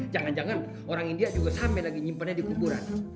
jangan jangan orang india juga sampai lagi nyimpannya di kuburan